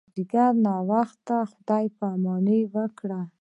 مازیګر ناوخته خدای پاماني وکړه.